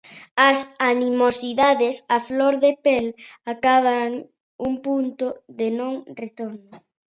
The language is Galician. As animosidades a flor de pel acadan un punto de non retorno.